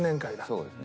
そうですね。